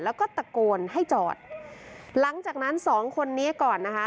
แล้วก็ตะโกนให้จอดหลังจากนั้นสองคนนี้ก่อนนะคะ